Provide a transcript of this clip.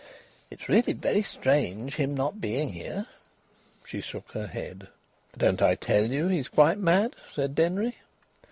"It's really very strange, him not being here." She shook her head. "Don't I tell you he's quite mad," said Denry.